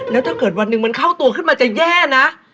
แล้วถ้าเกิดวันหนึ่งมันเข้าตัวขึ้นมาจะแย่นะ